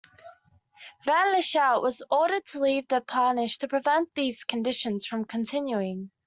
Van Lieshout was ordered to leave the parish to prevent these conditions from continuing.